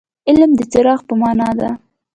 علم د څراغ په معنا دي.